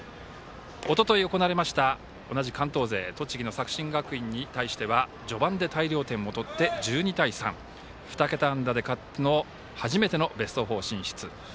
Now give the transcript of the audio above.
おととい行われました同じ関東勢栃木の作新学院に対しては序盤で大量点を取って１２対３。２桁安打の初めてのベスト４進出。